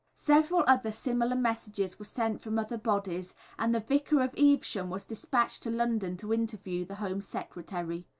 Several other similar messages were sent from other bodies, and the Vicar of Evesham was dispatched to London to interview the Home Secretary.